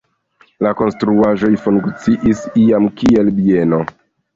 La konstruaĵoj funkciis iam kiel bieno.